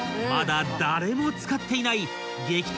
まだ誰も使っていない激